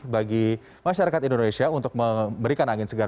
bagi masyarakat indonesia untuk memberikan angin segar